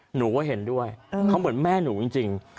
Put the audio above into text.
หนูก็เห็นด้วยเขาเหมือนแม่หนูจริง